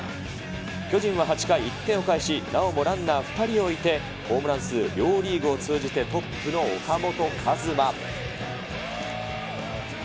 巨人は８回、１点を返し、なおもランナー２人を置いてホームラン数両リーグを通じてトップの岡本和真。